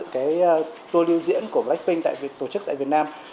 tham dự tour lưu diễn của blackpink tổ chức tại việt nam